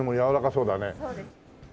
そうです。